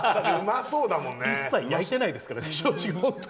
一切焼いてないですからね。